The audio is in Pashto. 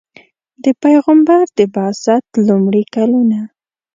د پیغمبر د بعثت لومړي کلونه.